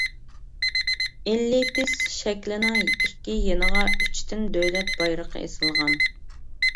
ئېللىپىس شەكلىنىڭ ئىككى يېنىغا ئۈچتىن دۆلەت بايرىقى ئېسىلغان.